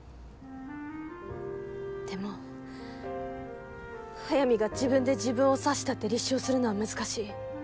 でも「速水が自分で自分を刺した」って立証するのは難しい。